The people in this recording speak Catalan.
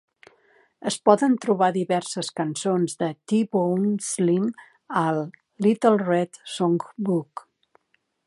Es poden trobar diverses cançons de T-Bone Slim al "Little Red Songbook".